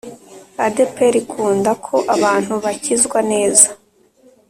adeperi ikunda ko abantu bakizwa neza